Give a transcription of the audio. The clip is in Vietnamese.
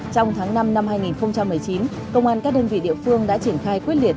trong tháng năm năm hai nghìn một mươi chín công an các đơn vị địa phương đã triển khai quyết liệt